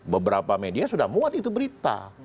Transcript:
beberapa media sudah muat itu berita